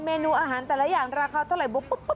เมนูอาหารแต่ละอย่างต่างราคาเท่าไหร่